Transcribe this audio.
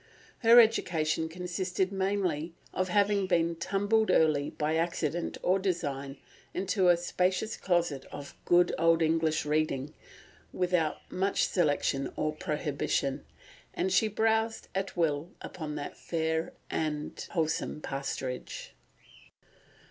Her education consisted mainly in having been "tumbled early, by accident or design, into a spacious closet of good old English reading, without much selection or prohibition, and she browsed at will upon that fair and wholesome pasturage."